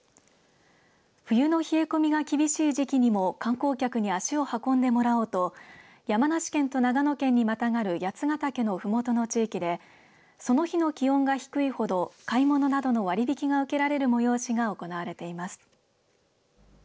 冬の冷え込みが厳しい時期にも観光客に足を運んでもらおうと山梨県と長野県にまたがる八ヶ岳のふもとの地域でその日の気温が低いほど買い物などの割引が受けられる催しが行われています。